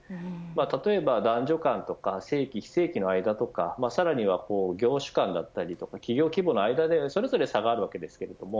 例えば男女間や正規非、正規の間とかさらには業種間や企業規模の間でそれぞれ差があります。